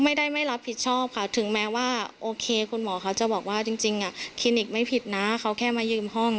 ไม่รับผิดชอบค่ะถึงแม้ว่าโอเคคุณหมอเขาจะบอกว่าจริงคลินิกไม่ผิดนะเขาแค่มายืมห้อง